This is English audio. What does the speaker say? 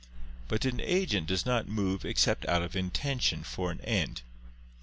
But an agent does not move except out of intention for an end.